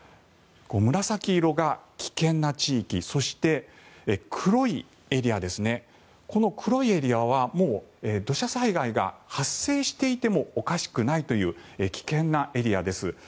紫色が危険な地域そして、黒いエリアはもう土砂災害が発生していてもおかしくないという危険なエリアです。